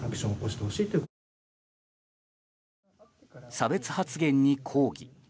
差別発言に抗議。